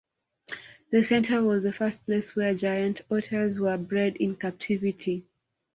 The centre was the first place where giant otters were bred in captivity.